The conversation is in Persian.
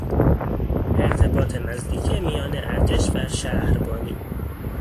ارتباط نزدیک میان ارتش و شهربانی